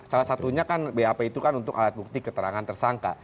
salah satunya kan bap itu kan untuk alat bukti keterangan tersangka